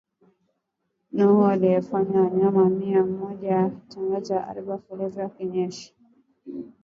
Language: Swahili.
Nuhu alifanya myaka mia moja ya kutangaza abri ya nvula ku nyesha